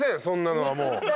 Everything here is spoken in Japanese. そんなのは。